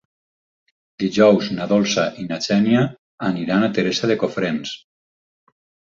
Dijous na Dolça i na Xènia aniran a Teresa de Cofrents.